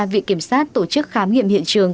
vị kiểm soát tổ chức khám nghiệm hiện trường